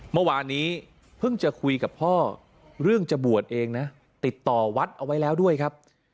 เมื่อวานนี้เพิ่งจะคุยกับพ่อเรื่องจะบวชเองนะติดต่อวัดเอาไว้แล้วด้วยครับ